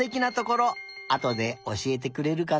あとでおしえてくれるかな？